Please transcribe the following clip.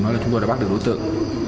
nói là chúng tôi đã bắt được đối tượng